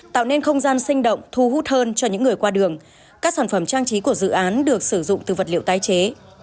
tạo nên không gian sinh động thu hút hơn cho những người qua đường các sản phẩm trang trí của dự án được sử dụng từ vật liệu tái chế